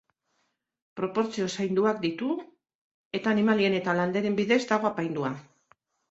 Proportzio zainduak ditu, eta animalien eta landareen bidez dago apaindua.